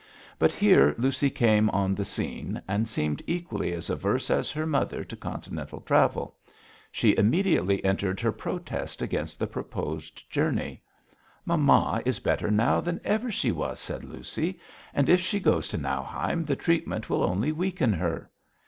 But here Lucy came on the scene, and seemed equally as averse as her mother to Continental travel. She immediately entered her protest against the proposed journey. 'Mamma is better now than ever she was,' said Lucy, 'and if she goes to Nauheim the treatment will only weaken her.'